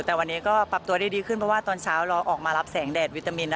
แต่วันนี้ก็ปรับตัวได้ดีขึ้นเพราะว่าตอนเช้าเราออกมารับแสงแดดวิตามิน